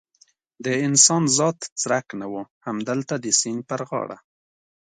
د انسان ذات څرک نه و، همدلته د سیند پر غاړه.